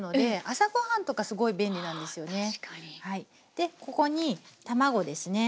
でここに卵ですね。